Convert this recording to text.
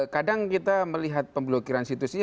kadang kita melihat pemblokiran situs ini